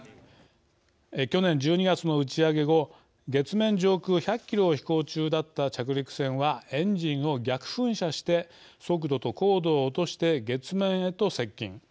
去年１２月の打ち上げ後月面上空１００キロを飛行中だった着陸船はエンジンを逆噴射して速度と高度を落として月面へと接近。